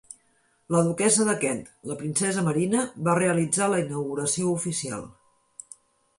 La duquessa de Kent, la princesa Marina, va realitzar la inauguració oficial.